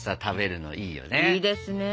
いいですね。